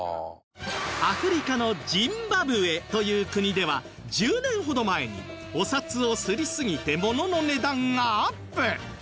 アフリカのジンバブエという国では１０年ほど前にお札を刷りすぎてものの値段がアップ！